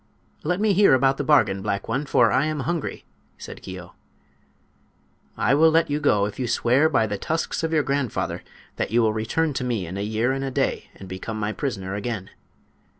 "Let me hear about the bargain, black one, for I am hungry," said Keo. "I will let your go if you swear by the tusks of your grandfather that you will return to me in a year and a day and become my prisoner again."